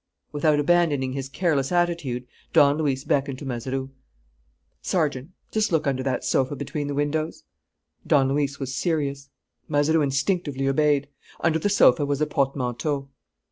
Without abandoning his careless attitude, Don Luis beckoned to Mazeroux. "Sergeant, just look under that sofa between the windows." Don Luis was serious. Mazeroux instinctively obeyed. Under the sofa was a portmanteau.